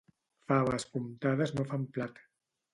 Faves comptades no fan plat.